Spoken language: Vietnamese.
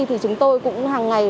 thì chúng tôi cũng hàng ngày